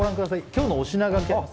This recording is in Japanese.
今日のお品書きです